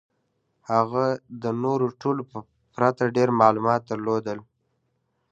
هغه د نورو ټولو په پرتله ډېر معلومات درلودل